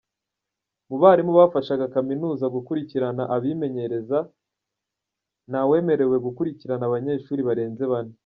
Mu barimu bafashaga kaminuza gukurikirana abimenyereza, ntawemerewe gukurikirana abanyeshuri barenze bane.